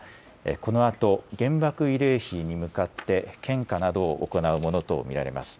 このあと原爆慰霊碑に向かって献花などを行うものと見られます。